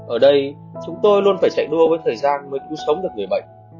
ở đây chúng tôi luôn phải chạy đua với thời gian mới cứu sống được người bệnh